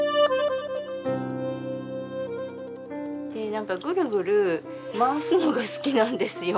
何かぐるぐる回すのが好きなんですよ。